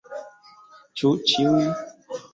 Ĉu ĉiuj?